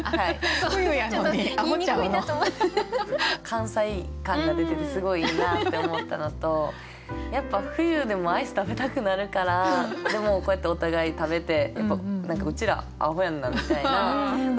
関西感が出ててすごいいいなって思ったのとやっぱ冬でもアイス食べたくなるからでもこうやってお互い食べて「うちらあほやんな」みたいなこと私もあったなと思って。